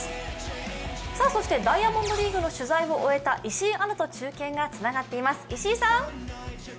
ダイヤモンドリーグの取材を終えた石井アナと中継がつながっています。